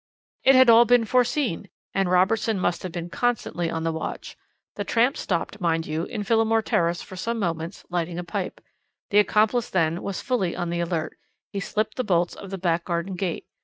"It had all been foreseen, and Robertson must have been constantly on the watch. The tramp stopped, mind you, in Phillimore Terrace for some moments, lighting a pipe. The accomplice, then, was fully on the alert; he slipped the bolts of the back garden gate.